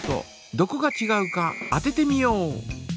どこがちがうか当ててみよう！